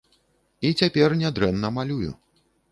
І цяпер нядрэнна малюю.